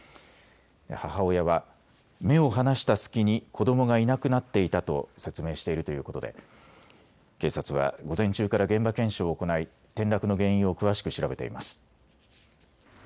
母親は目を離した隙に子どもがいなくなっていたと説明しているということで警察は午前中から現場検証を行い転落の原因を詳しく調べています。